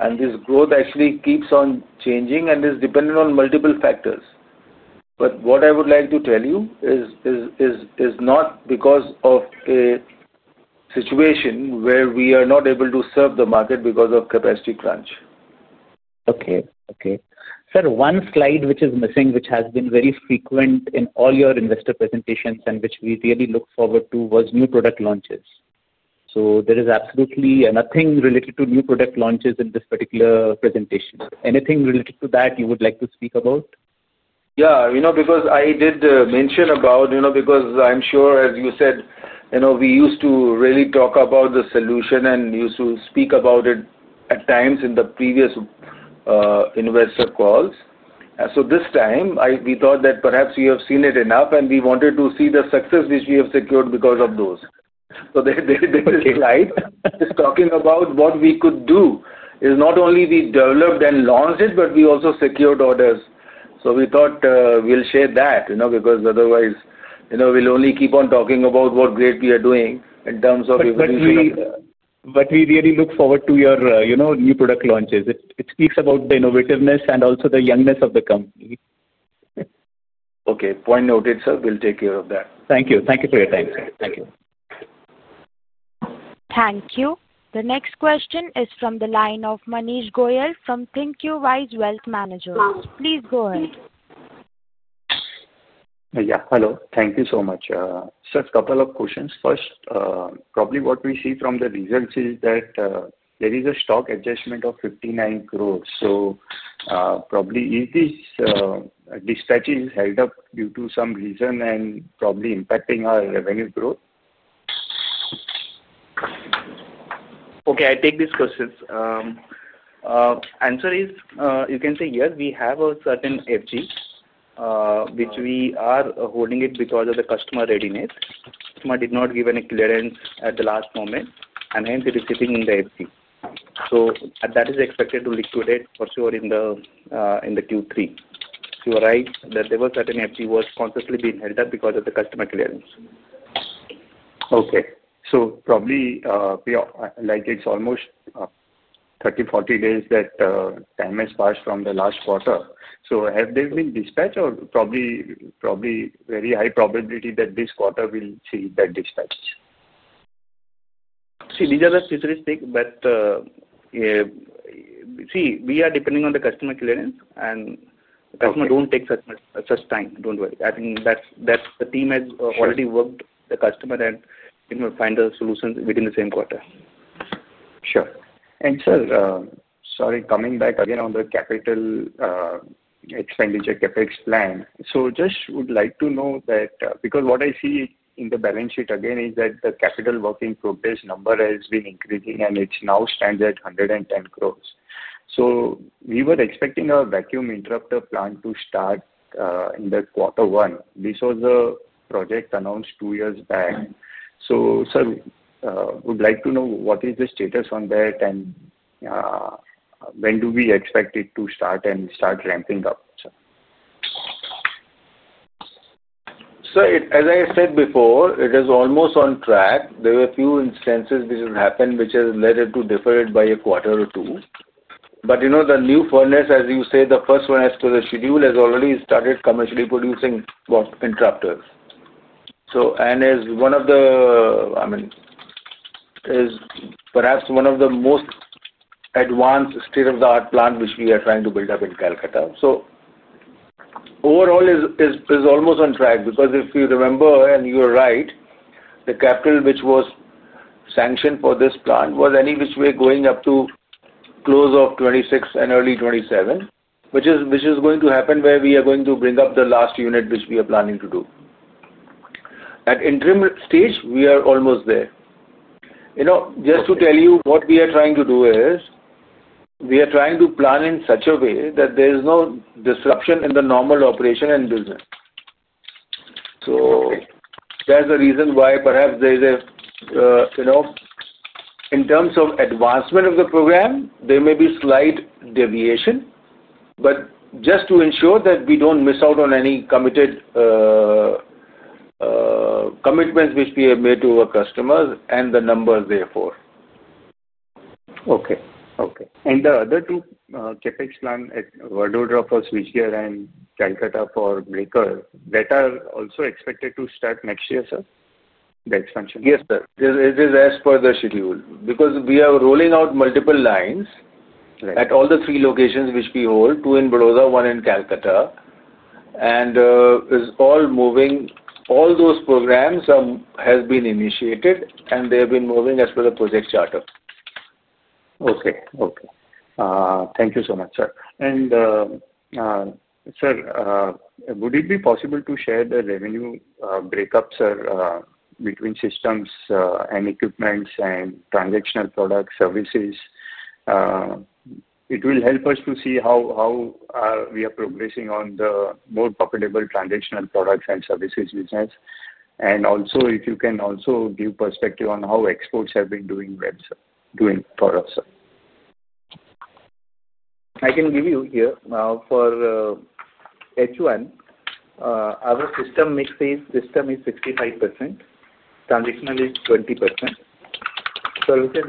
and this growth actually keeps on changing and is dependent on multiple factors. What I would like to tell you is it is not because of a situation where we are not able to serve the market because of capacity crunch. Okay. Okay. Sir, one slide which is missing, which has been very frequent in all your investor presentations and which we really look forward to, was new product launches. There is absolutely nothing related to new product launches in this particular presentation. Anything related to that you would like to speak about? Yeah. Because I did mention about, because I'm sure, as you said, we used to really talk about the solution and used to speak about it at times in the previous investor calls. This time, we thought that perhaps we have seen it enough, and we wanted to see the success which we have secured because of those. There is a slide just talking about what we could do. It's not only we developed and launched it, but we also secured orders. We thought we'll share that because otherwise, we'll only keep on talking about what great we are doing in terms of. We really look forward to your new product launches. It speaks about the innovativeness and also the youngness of the company. Okay. Point noted, sir. We'll take care of that. Thank you. Thank you for your time, sir. Thank you. Thank you. The next question is from the line of Manish Goyal from Thinqwise Wealth Managers. Please go ahead. Yeah. Hello. Thank you so much. Sir, a couple of questions. First, probably what we see from the results is that there is a stock adjustment of 59 crore. So probably these dispatches held up due to some reason and probably impacting our revenue growth. Okay. I take these questions. Answer is, you can say, yes, we have a certain FG, which we are holding it because of the customer readiness. Customer did not give any clearance at the last moment, and hence it is sitting in the FG. So that is expected to liquidate for sure in Q3. You are right that there was certain FG was consistently being held up because of the customer clearance. Okay. So probably, like it's almost 30-40 days that time has passed from the last quarter. Have there been dispatch or probably very high probability that this quarter we'll see that dispatch? These are the futuristic, but we are depending on the customer clearance, and the customer do not take such time. Do not worry. I think that the team has already worked the customer and find a solution within the same quarter. Sure. Sir, sorry, coming back again on the capital expenditure CapEx plan. Just would like to know that because what I see in the balance sheet again is that the capital working properties number has been increasing, and it now stands at 110 crores. We were expecting our vacuum interrupter plant to start in quarter one. This was a project announced two years back. Sir, would like to know what is the status on that, and when do we expect it to start and start ramping up, sir? Sir, as I said before, it is almost on track. There were a few instances which will happen which has led it to differ by a quarter or two. The new furnace, as you say, the first one as per the schedule, has already started commercially producing interrupters. It is perhaps one of the most advanced state-of-the-art plants which we are trying to build up in Kolkata. Overall, it is almost on track because, if you remember, and you are right, the capital which was sanctioned for this plant was anyway going up to close of 2026 and early 2027, which is going to happen where we are going to bring up the last unit which we are planning to do. At interim stage, we are almost there. Just to tell you, what we are trying to do is we are trying to plan in such a way that there is no disruption in the normal operation and business. There is a reason why perhaps there is a, in terms of advancement of the program, there may be slight deviation, but just to ensure that we do not miss out on any committed commitments which we have made to our customers and the numbers, therefore. Okay. Okay. And the other two CapEx plan, Vadodara for Switchgear and Kolkata for Maker, that are also expected to start next year, sir, the expansion? Yes, sir. It is as per the schedule because we are rolling out multiple lines at all the three locations which we hold, two in Vadodara, one in Kolkata, and it's all moving. All those programs have been initiated, and they have been moving as per the project charter. Okay. Okay. Thank you so much, sir. Sir, would it be possible to share the revenue breakup, sir, between systems and equipments and transactional product services? It will help us to see how we are progressing on the more profitable transactional products and services business. Also, if you can give perspective on how exports have been doing for us, sir. I can give you here. For H1, our system mix is 65%. Transactional is 20%. Services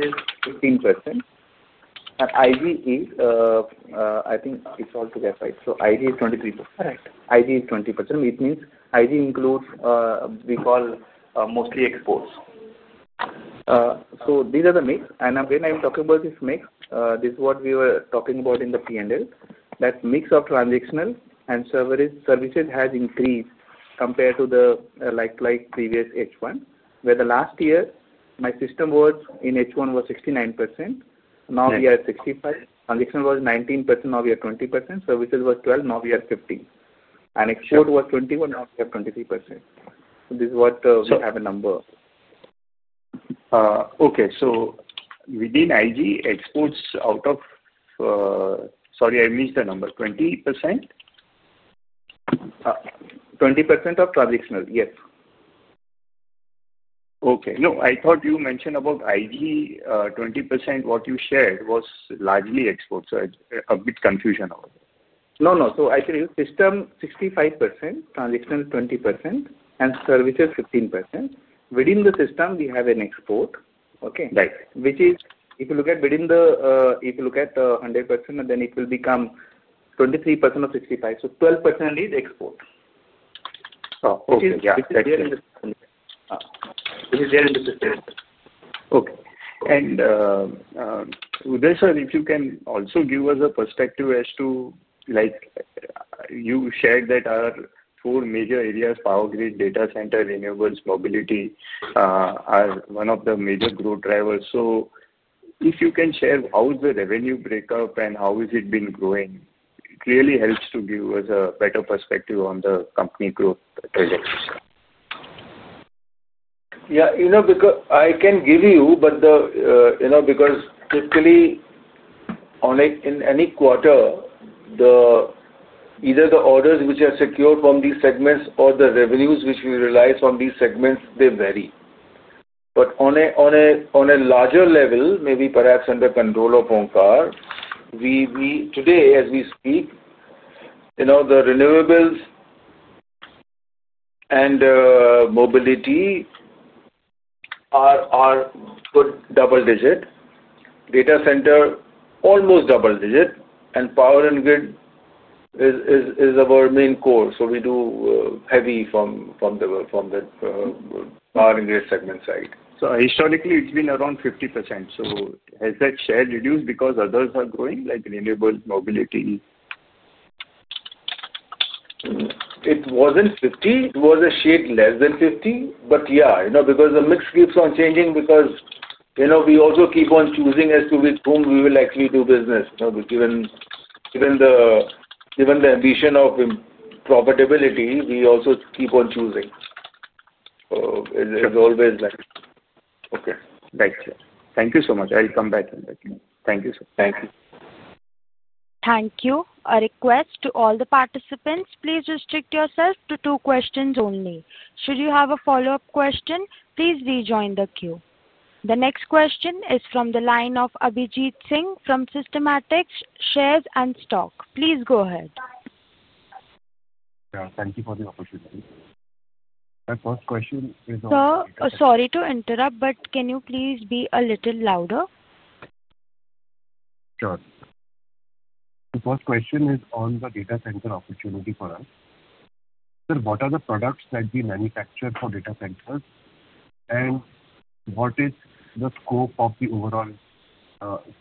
is 15%. IG is, I think it is all together, right? So IG is 23%. Correct. IG is 20%. It means IG includes, we call, mostly exports. These are the mix. Again, I'm talking about this mix. This is what we were talking about in the P&L. That mix of transactional and services has increased compared to the previous H1, where last year my system was in H1 was 69%. Now we are at 65%. Transactional was 19%. Now we are 20%. Services was 12%. Now we are 15%. Export was 21%. Now we are 23%. This is what we have, a number. Okay. So within IG, exports out of—sorry, I missed the number. 20%? 20% of transactional. Yes. Okay. No, I thought you mentioned about IG 20%. What you shared was largely exports. So a bit confusion about it. No, no. So I tell you, system 65%, transactional 20%, and services 15%. Within the system, we have an export. Okay. Right. If you look at within the, if you look at the 100%, then it will become 23% of 65. So 12% is export. Oh, okay. Yeah. This is there in the system. Okay. And Udai sir, if you can also give us a perspective as to you shared that our four major areas, power grid, data center, renewables, mobility, are one of the major growth drivers. If you can share how is the revenue breakup and how has it been growing, it really helps to give us a better perspective on the company growth trajectory. Yeah. I can give you, but because typically in any quarter, either the orders which are secured from these segments or the revenues which we rely from these segments, they vary. On a larger level, maybe perhaps under control of Omkar, today as we speak, the renewables and mobility are good double digit. Data center, almost double digit. Power and grid is our main core. We do heavy from the power and grid segment side. Historically, it's been around 50%. Has that share reduced because others are growing like renewables, mobility? It was not 50. It was a shade less than 50. Yeah, because the mix keeps on changing because we also keep on choosing as to with whom we will actually do business. Given the ambition of profitability, we also keep on choosing. It is always like. Okay. Thank you, sir. Thank you so much. I'll come back later. Thank you so much Thank you. Thank you. A request to all the participants. Please restrict yourself to two questions only. Should you have a follow-up question, please rejoin the queue. The next question is from the line of Abhijeet Singh from Systematix Shares and Stock. Please go ahead. Thank you for the opportunity. My first question is on. Sir, sorry to interrupt, but can you please be a little louder? Sure. The first question is on the data center opportunity for us. Sir, what are the products that we manufacture for data centers? What is the scope of the overall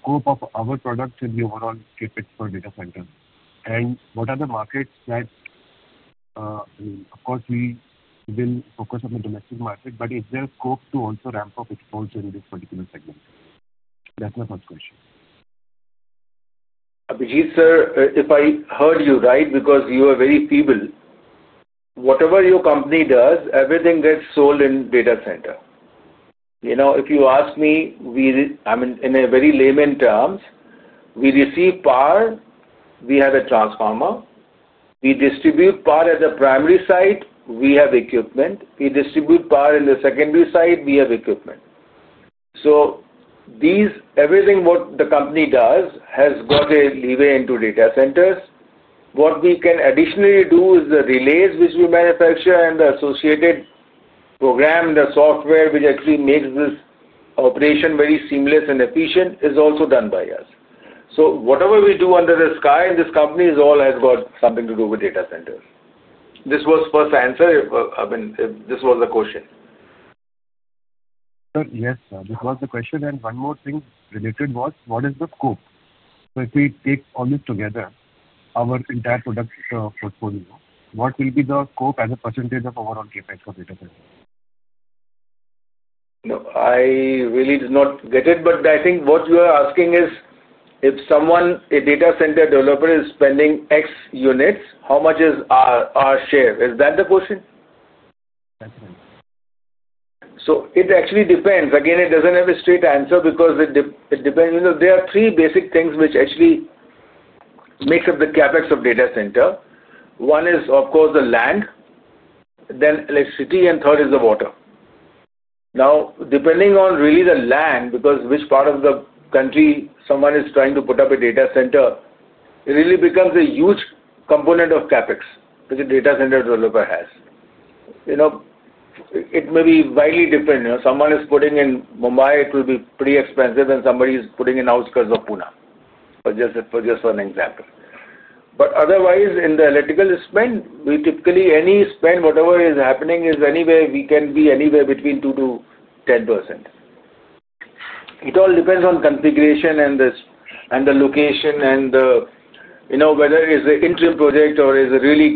scope of our products in the overall CapEx for data centers? What are the markets that, of course, we will focus on the domestic market, but is there scope to also ramp up exports in this particular segment? That is my first question. Abhijeet sir, if I heard you right, because you are very feeble, whatever your company does, everything gets sold in data center. If you ask me, I mean, in very layman terms, we receive power. We have a transformer. We distribute power at the primary site. We have equipment. We distribute power in the secondary site. We have equipment. So everything what the company does has got a leeway into data centers. What we can additionally do is the relays which we manufacture and the associated program, the software which actually makes this operation very seamless and efficient is also done by us. So whatever we do under the sky in this company has all got something to do with data centers. This was first answer. I mean, this was the question. Yes, sir. This was the question. One more thing related was, what is the scope? If we take all this together, our entire product portfolio, what will be the scope as a percentage of overall CapEx for data centers? I really did not get it, but I think what you are asking is if someone, a data center developer, is spending X units, how much is our share? Is that the question? Absolutely. It actually depends. Again, it does not have a straight answer because it depends. There are three basic things which actually make up the CapEx of a data center. One is, of course, the land, then electricity, and third is the water. Now, depending on really the land, because which part of the country someone is trying to put up a data center, it really becomes a huge component of CapEx which a data center developer has. It may be widely different. Someone is putting in Mumbai, it will be pretty expensive, and somebody is putting in outskirts of Pune, just for an example. Otherwise, in the electrical spend, typically any spend, whatever is happening, is anywhere between 2% to 10%. It all depends on configuration and the location and whether it's an interim project or it's a really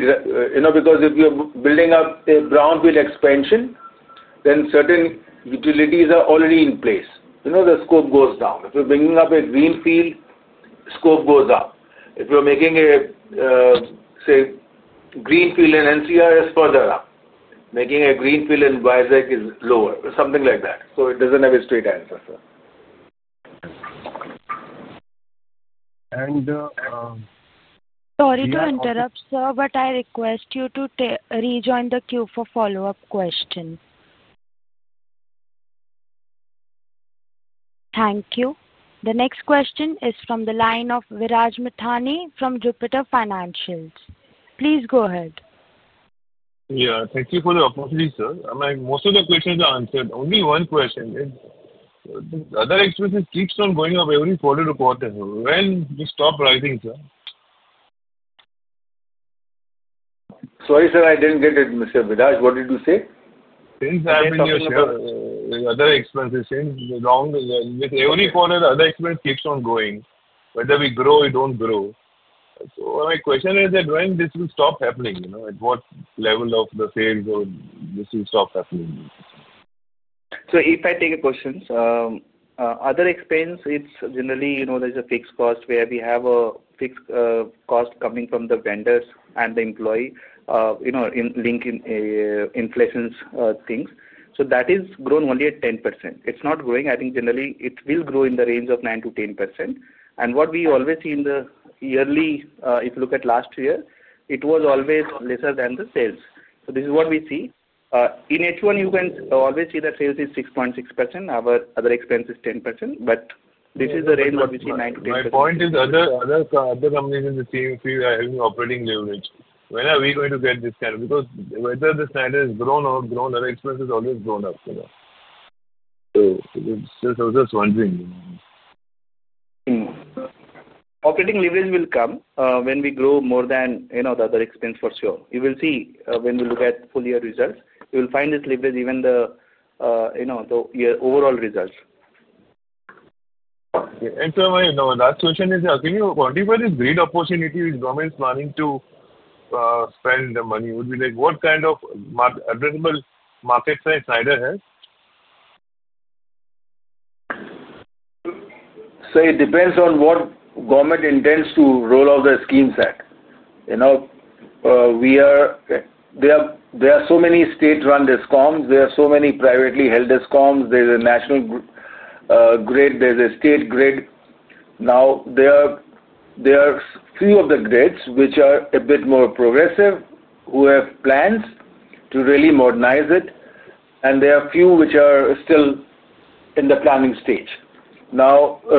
because if you're building up a brownfield expansion, then certain utilities are already in place. The scope goes down. If you're bringing up a greenfield, scope goes up. If you're making a, say, greenfield in NCR, it's further up. Making a greenfield in BISEC is lower. Something like that. It doesn't have a straight answer, sir. And. Sorry to interrupt, sir, but I request you to rejoin the queue for follow-up questions. Thank you. The next question is from the line of Viraj Mithani from Jupiter Financials. Please go ahead. Yeah. Thank you for the opportunity, sir. Most of the questions are answered. Only one question is, other expenses keep on going up every quarter to quarter. When do you stop rising, sir? Sorry, sir, I didn't get it, Mr. Viraj. What did you say? Since I've been your supervisor. Every quarter, other expenses keep on going. Whether we grow or we do not grow. My question is that when will this stop happening? At what level of the sales will this stop happening? If I take a question, other expense, it's generally there's a fixed cost where we have a fixed cost coming from the vendors and the employee linked in inflations things. That has grown only at 10%. It's not growing. I think generally it will grow in the range of 9%-10%. What we always see in the yearly, if you look at last year, it was always lesser than the sales. This is what we see. In H1, you can always see that sales is 6.6%. Our other expense is 10%. This is the range what we see, 9%-10%. My point is other companies in the team, if you are having operating leverage, when are we going to get this kind of because whether Schneider has grown or grown, other expenses always grown up. So it's just wondering. Operating leverage will come when we grow more than the other expense for sure. You will see when we look at full year results. You will find this leverage even the overall results. Sir, my last question is, can you quantify this grid opportunity which government is planning to spend the money? What kind of addressable markets does Schneider have? It depends on what government intends to roll out the schemes at. There are so many state-run discoms. There are so many privately held discoms. There is a national grid. There is a state grid. Now, there are a few of the grids which are a bit more progressive who have plans to really modernize it. And there are a few which are still in the planning stage.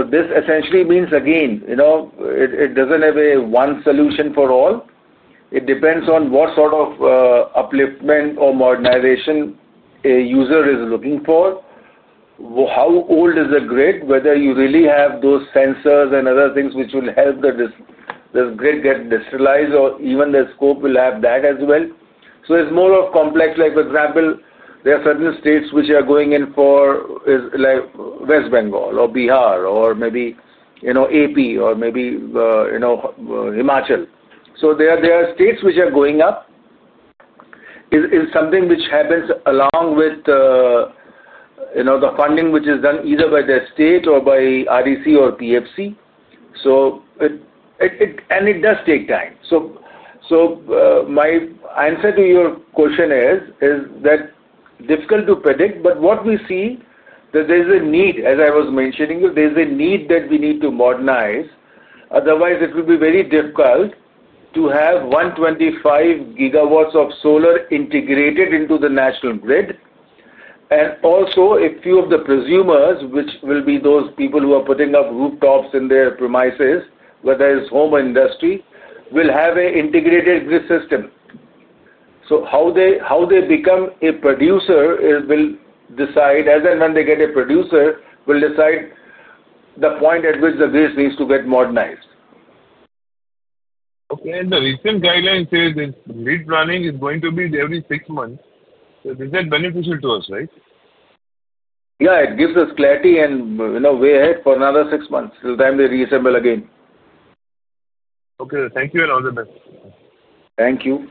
This essentially means, again, it does not have one solution for all. It depends on what sort of upliftment or modernization a user is looking for. How old is the grid? Whether you really have those sensors and other things which will help the grid get industrialized or even the scope will have that as well. It is more complex. For example, there are certain states which are going in for West Bengal or Bihar or maybe AP or maybe Himachal. There are states which are going up. It is something which happens along with the funding which is done either by the state or by REC or PFC. It does take time. My answer to your question is that it is difficult to predict. What we see is there is a need. As I was mentioning to you, there is a need that we need to modernize. Otherwise, it will be very difficult to have 125 GW of solar integrated into the national grid. A few of the prosumers, which will be those people who are putting up rooftops in their premises, whether it is home or industry, will have an integrated grid system. How they become a producer will decide, as and when they get a producer, will decide the point at which the grid needs to get modernized. Okay. The recent guideline says this grid planning is going to be every six months. This is beneficial to us, right? Yeah. It gives us clarity and way ahead for another six months till time they reassemble again. Okay. Thank you and all the best. Thank you.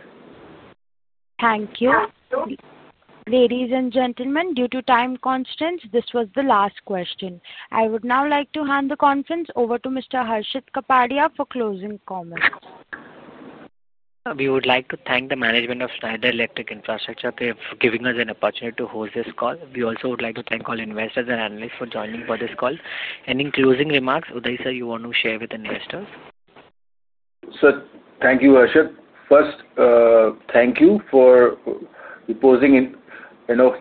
Thank you. Ladies and gentlemen, due to time constraints, this was the last question. I would now like to hand the conference over to Mr. Harshit Kapadia for closing comments. We would like to thank the management of Schneider Electric Infrastructure for giving us an opportunity to host this call. We also would like to thank all investors and analysts for joining for this call. Any closing remarks, Udai sir, you want to share with investors? Sir, thank you, Harshit. First, thank you for deposing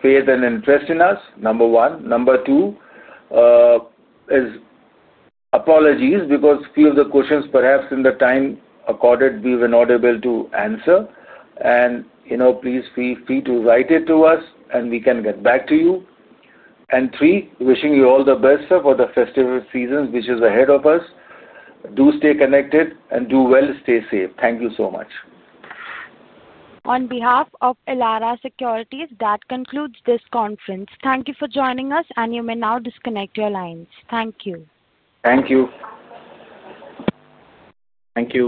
faith and interest in us, number one. Number two is apologies because a few of the questions, perhaps in the time accorded, we were not able to answer. Please feel free to write it to us, and we can get back to you. Three, wishing you all the best, sir, for the festive seasons which is ahead of us. Do stay connected and do well, stay safe. Thank you so much. On behalf of Elara Securities, that concludes this conference. Thank you for joining us, and you may now disconnect your lines. Thank you. Thank you. Thank you.